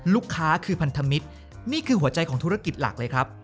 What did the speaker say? ลูกค้าคือพันธมิตรนี่คือหัวใจของธุรกิจหลักเลยครับ